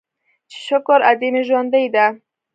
چې شکر ادې مې ژوندۍ ده.